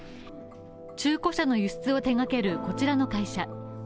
中古車の輸出を手がけるこちらの会社。